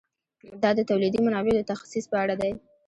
دا د تولیدي منابعو د تخصیص په اړه دی.